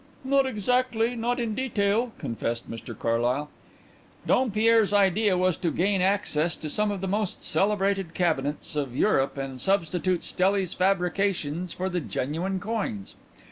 "Not exactly not in detail," confessed Mr Carlyle. "Dompierre's idea was to gain access to some of the most celebrated cabinets of Europe and substitute Stelli's fabrications for the genuine coins.